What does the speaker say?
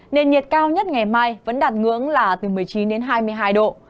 nền nhiệt cao nhất ngày mai vẫn đạt ngưỡng là từ một mươi chín đến hai mươi hai độ